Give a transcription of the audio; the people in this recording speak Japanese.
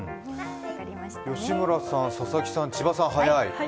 吉村さん、佐々木さん、千葉さん、早い。